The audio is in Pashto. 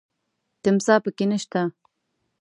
تمساح پکې نه شته .